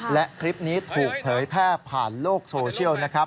และคลิปนี้ถูกเผยแพร่ผ่านโลกโซเชียลนะครับ